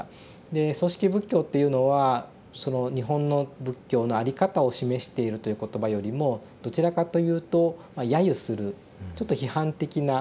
で葬式仏教っていうのは日本の仏教の在り方を示しているという言葉よりもどちらかというとやゆするちょっと批判的な。